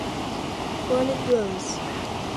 OnePlus